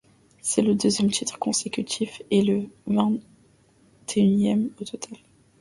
C’est le deuxième titre consécutif et le vingt et unième au total.